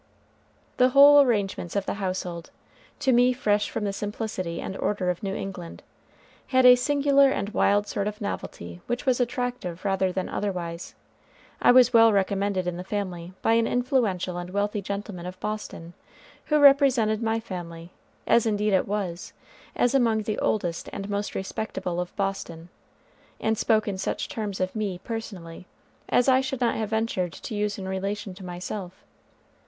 The whole arrangements of the household, to me fresh from the simplicity and order of New England, had a singular and wild sort of novelty which was attractive rather than otherwise. I was well recommended in the family by an influential and wealthy gentleman of Boston, who represented my family, as indeed it was, as among the oldest and most respectable of Boston, and spoke in such terms of me, personally, as I should not have ventured to use in relation to myself.